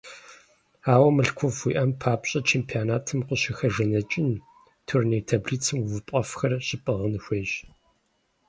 Ауэ мылъкуфӀ уиӀэн папщӀэ, чемпионатым укъыщыхэжаныкӀын, турнир таблицэм увыпӀэфӀхэр щыпӀыгъын хуейщ.